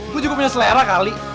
gue juga punya selera kali